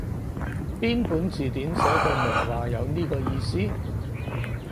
邊本字典寫到明話有呢個意思？